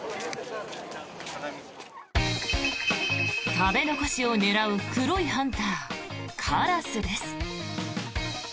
食べ残しを狙う黒いハンターカラスです。